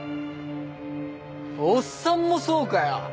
おっさんもそうかよ。